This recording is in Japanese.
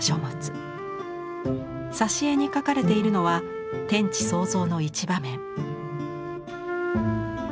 挿絵に描かれているのは天地創造の一場面。